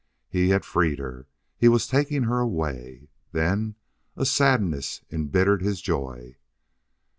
He had freed her. He was taking her away. Then a sadness embittered his joy.